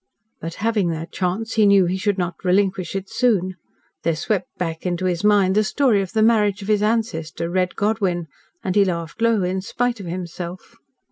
But having that chance, he knew he should not relinquish it soon. There swept back into his mind the story of the marriage of his ancestor, Red Godwyn, and he laughed low in spite of himself.